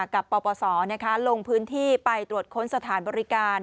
ปปศลงพื้นที่ไปตรวจค้นสถานบริการ